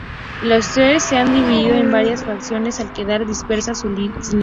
Los Zerg se han dividido en varias facciones al quedar dispersas sin líder.